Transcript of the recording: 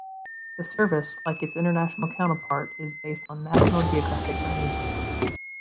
The service, like its international counterparts, is based on "National Geographic Magazine".